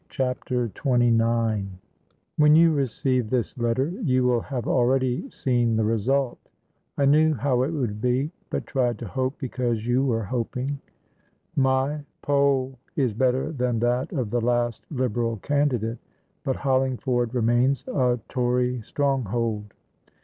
CHAPTER XXIX "When you receive this letter, you will have already seen the result. I knew how it would be, but tried to hope because you were hoping. My poll is better than that of the last Liberal candidate, but Hollingford remains a Tory stronghold.